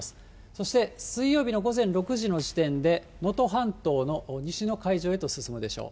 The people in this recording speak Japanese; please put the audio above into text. そして水曜日の午前６時の時点で、能登半島の西の海上へと進むでしょう。